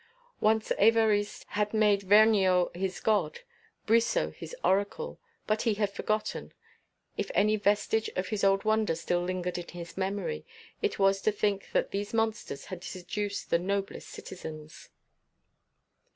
Once Évariste had made Vergniaud his god, Brissot his oracle. But he had forgotten; if any vestige of his old wonder still lingered in his memory, it was to think that these monsters had seduced the noblest citizens.